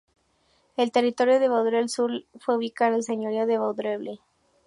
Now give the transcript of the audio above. El territorio de Vaudreuil-sur-le-Lac fue ubicado en el señorío de Vaudreuil.